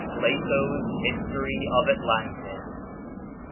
PLATO'S HISTORY OF ATLANTIS.